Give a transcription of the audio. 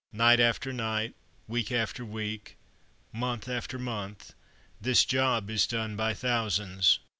Night after night, week after week, month after month, this job is done by thousands.